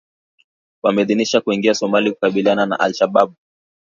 wameidhinishwa kuingia Somalia kukabiliana na Al Shabaab